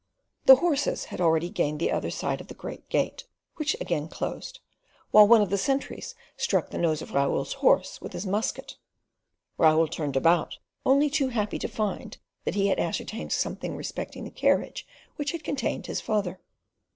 The horses had already gained the other side of the great gate, which again closed, while one of the sentries struck the nose of Raoul's horse with his musket; Raoul turned about, only too happy to find he had ascertained something respecting the carriage which had contained his father.